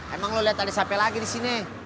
emang lo liat ada siapa lagi disini